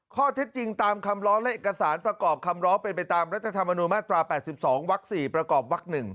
ข้อเท็จจริงตามคำร้องและเอกสารประกอบคำร้องเป็นไปตามรัฐธรรมนุนมาตรา๘๒วัก๔ประกอบวัก๑